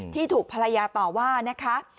ที่ถูกภรรยาต่อว่านะคะ